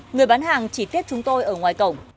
người bán hàng chỉ tiếp chúng tôi ở ngoài cổng